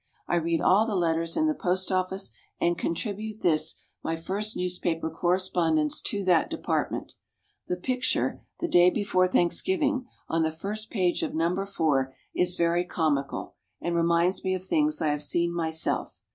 I read all the letters in the Post office, and contribute this, my first newspaper correspondence, to that department. The picture "The Day Before Thanksgiving," on the first page of No. 4, is very comical, and reminds me of things I have seen myself.